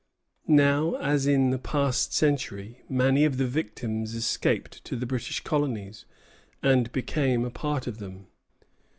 Now, as in the past century, many of the victims escaped to the British colonies, and became a part of them.